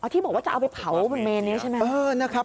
ที่บอกว่าจะเอาไปเผาบนเมนนี้ใช่ไหม